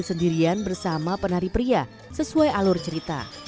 dan selanjutnya tarian bersama penari pria sesuai alur cerita